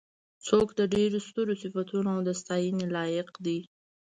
څوک د ډېرو سترو صفتونو او د ستاینې لایق دی.